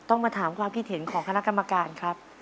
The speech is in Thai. ต้องมาถามความพิเทศของคณะกรรมการครับ